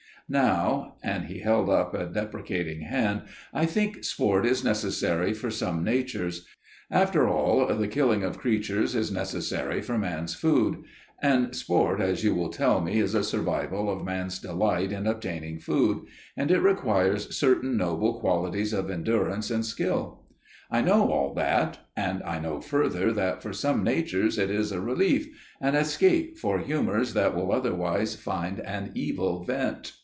Now," and he held up a deprecating hand, "I think sport is necessary for some natures. After all, the killing of creatures is necessary for man's food, and sport as you will tell me is a survival of man's delight in obtaining food, and it requires certain noble qualities of endurance and skill. I know all that, and I know further that for some natures it is a relief––an escape for humours that will otherwise find an evil vent.